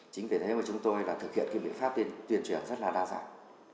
chính vì thế mà chúng tôi thực hiện biện pháp tuyên truyền rất là đa dạng